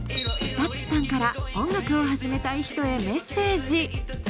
ＳＴＵＴＳさんから音楽を始めたい人へメッセージ。